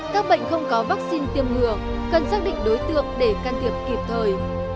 các bệnh không có vắc xin tiêm ngừa cần xác định đối tượng để can thiệp kịp thời